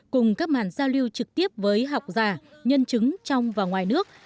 cùng các màn giao lưu trực tiếp với học giả nhân chứng trong và ngoài nước